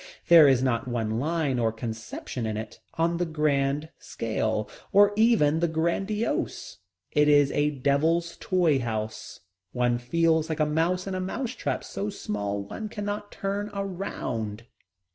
There is not one line or conception in it on the grand scale, or even the grandiose. It is a devil's toy house. One feels like a mouse in a mouse trap so small one cannot turn around.